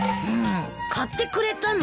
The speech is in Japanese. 買ってくれたの？